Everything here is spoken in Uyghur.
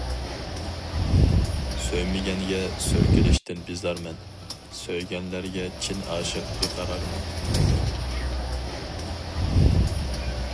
سۆيمىگەنگە سۈركىلىشتىن بىزارمەن، سۆيگەنلەرگە چىن ئاشىق بىقارارمەن.